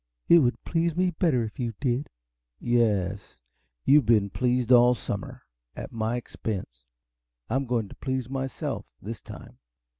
It would please me better if you did." "Yes? You've been pleased all summer at my expense. I'm going to please myself, this time.